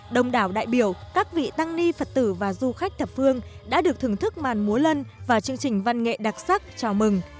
đồng đảo đại biểu các vị tăng ni phật tử và du khách thập phương đã được thưởng thức màn múa lân và chương trình văn nghệ đặc sắc chào mừng